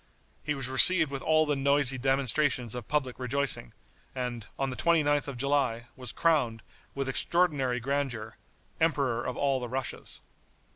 He was received with all the noisy demonstrations of public rejoicing, and, on the 29th of July, was crowned, with extraordinary grandeur, Emperor of all the Russias.